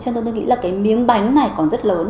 cho nên tôi nghĩ là cái miếng bánh này còn rất lớn